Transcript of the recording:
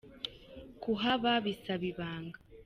Kuhaba bisaba ibanga